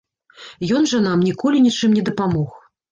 Ён жа нам ніколі нічым не дапамог.